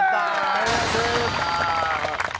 ありがとうございます。